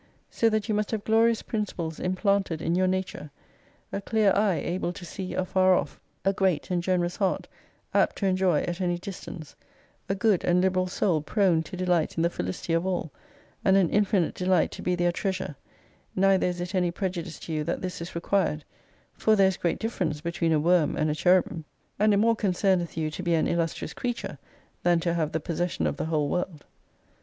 So that you must have Glorious Principles implanted in your nature ; a clear eye able to see afar off, a great and generous heart, apt to enjoy at any distance : a good and liberal Soul prone to dehght in the felicity of all, and an infinite de light to be their Treasure : neither is it any prejudice to you that this is required, for there is great difference between a Worm and a Cherubim. And it more concemeth 26 you to be an Illustrious Creature, than to have the possession of the whole world.